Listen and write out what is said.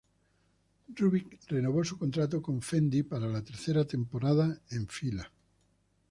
Rubik renovó su contrato con Fendi para la tercera temporada en fila.